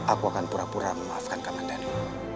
aku akan pura pura memaafkan keamanan